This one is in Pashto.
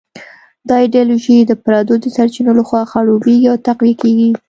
دا ایډیالوژي د پردو د سرچینو لخوا خړوبېږي او تقویه کېږي.